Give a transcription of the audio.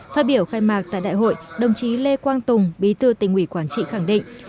phát biểu khai mạc tại đại hội đồng chí lê quang tùng bí thư tỉnh ủy quảng trị khẳng định